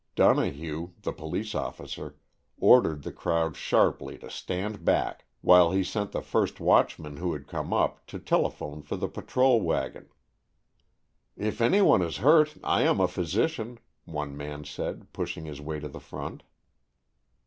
Donohue, the police officer, ordered the crowd sharply to stand back, while he sent the first watchman who had come up to telephone for the patrol wagon. "If any one is hurt, I am a physician," one man said, pushing his way to the front.